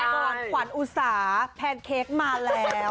ก่อนขวัญอุตสาแพนเค้กมาแล้ว